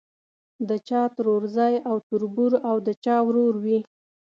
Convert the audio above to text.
د چا ترورزی او تربور او د چا ورور وي.